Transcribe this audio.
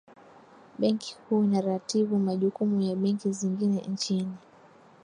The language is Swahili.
benki kuu inaratibu majukumu ya benki zingine nchini